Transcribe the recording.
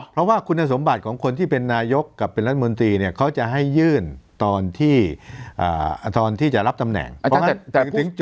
เพราะว่าคุณสมบัติของคนที่เป็นนายกกับเป็นรัฐมนตรีเนี่ยเขาจะให้ยื่นตอนที่ตอนที่จะรับตำแหน่ง